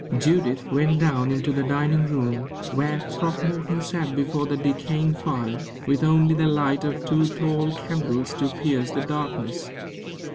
Judith went down into the dining room, where Throckmorton sat before the decaying fire, with only the light of two tall candles to pierce the darkness.